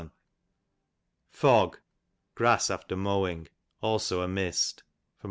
Fog, grass after mowing; also a mist, A.